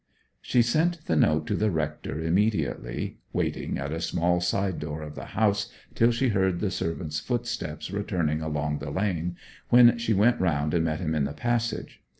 She sent the note to the rector immediately, waiting at a small side door of the house till she heard the servant's footsteps returning along the lane, when she went round and met him in the passage.